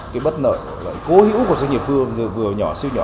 cái bất lợi cái cố hiểu của doanh nghiệp vừa và nhỏ siêu nhỏ